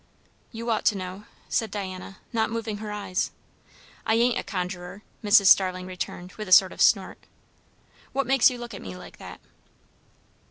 "You ought to know," said Diana, not moving her eyes. "I ain't a conjuror," Mrs. Starling returned with a sort of snort. "What makes you look at me like that?"